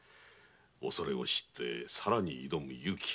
恐れを知ってさらに挑む勇気。